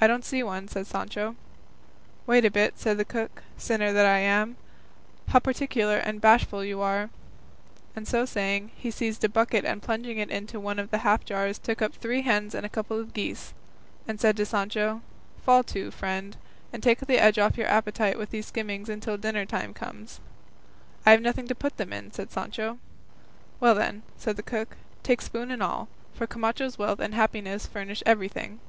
"I don't see one," said Sancho. "Wait a bit," said the cook; "sinner that I am! how particular and bashful you are!" and so saying, he seized a bucket and plunging it into one of the half jars took up three hens and a couple of geese, and said to Sancho, "Fall to, friend, and take the edge off your appetite with these skimmings until dinner time comes." "I have nothing to put them in," said Sancho. "Well then," said the cook, "take spoon and all; for Camacho's wealth and happiness furnish everything."